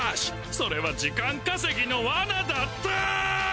それは時間稼ぎのワナだったぁぁぁぁぁ！